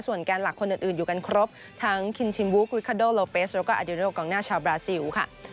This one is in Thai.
แกนหลักคนอื่นอยู่กันครบทั้งคินชิมวูครุคาโดโลเปสแล้วก็อาเดโดกองหน้าชาวบราซิลค่ะ